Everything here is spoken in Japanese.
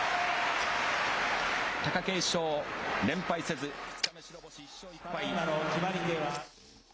貴景勝、連敗せず、２日目白星、１勝１敗。